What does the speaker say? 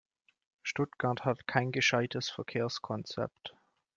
Stuttgart hat kein gescheites Verkehrskonzept.